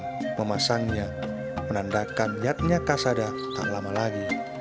pembeli memasangnya menandakan iatnya kasada tak lama lagi